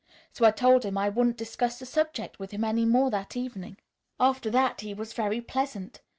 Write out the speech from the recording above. So I told him I wouldn't discuss the subject with him any more that evening. "After that he was very pleasant.